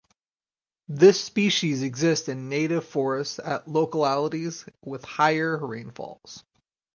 This species exists in native forests at localities with higher rainfalls.